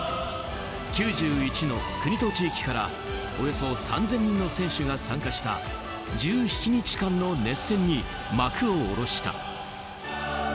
９１の国と地域から、およそ３０００人の選手が参加した１７日間の熱戦に幕を下ろした。